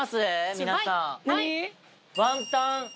皆さん。